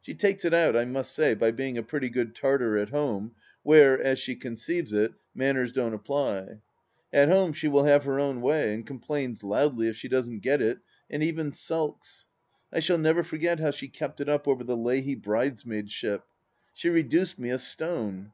She takes it out, I must say, by being a pretty good tartar at home, where, as she conceives it, manners don't apply. At home she will have her own way, and com plains loudly if she doesn't get it, and even sulks. I shall never forget how she kept it up over the Leahy bridesmaidship. She reduced me a stone.